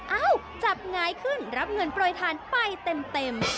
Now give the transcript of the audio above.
เอ้าจับงายขึ้นรับเงินโปรยทานไปเต็ม